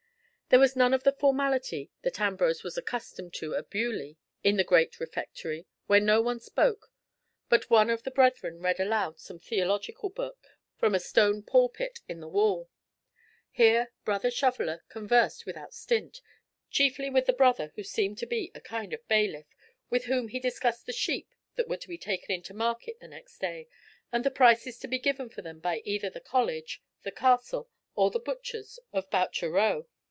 There was none of the formality that Ambrose was accustomed to at Beaulieu in the great refectory, where no one spoke, but one of the brethren read aloud some theological book from a stone pulpit in the wall. Here Brother Shoveller conversed without stint, chiefly with the brother who seemed to be a kind of bailiff, with whom he discussed the sheep that were to be taken into market the next day, and the prices to be given for them by either the college, the castle, or the butchers of Boucher Row.